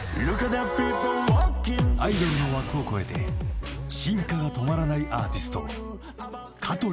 ［アイドルの枠を超えて進化が止まらないアーティスト］